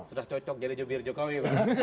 sudah cocok jadi jokowi